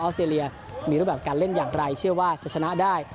สเตรเลียมีรูปแบบการเล่นอย่างไรเชื่อว่าจะชนะได้